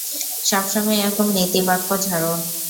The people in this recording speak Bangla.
সবসময়ই এরকম নীতিবাক্য ঝাড়ো?